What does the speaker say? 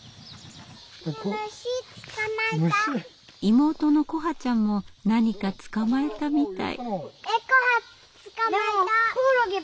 妹の來華ちゃんも何か捕まえたみたい。